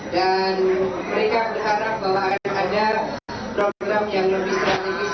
dan mereka berharap bahwa akan ada program yang lebih strategis